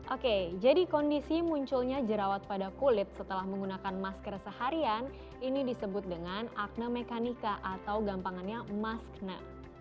oke jadi kondisi munculnya jerawat pada kulit setelah menggunakan masker seharian ini disebut dengan akne mekanika atau gampangannya masne